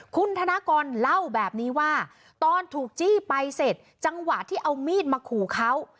คุณธนากรเล่าแบบนี้ว่าตอนถูกจี้ไปเสร็จจังหวะที่เอามีดมาขู่เขา